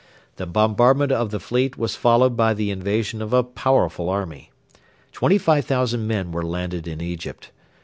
The bombardment of the fleet was followed by the invasion of a powerful army. Twenty five thousand men were landed in Egypt.